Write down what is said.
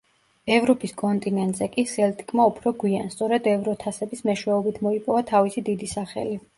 ევროპის კონტინენტზე კი სელტიკმა უფრო გვიან, სწორედ ევროთასების მეშვეობით მოიპოვა თავისი დიდი სახელი.